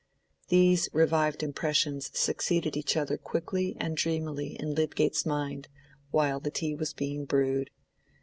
These revived impressions succeeded each other quickly and dreamily in Lydgate's mind while the tea was being brewed.